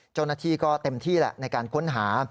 เจ้าหน้าที่ก็เต็มที่แหละในการค้นหา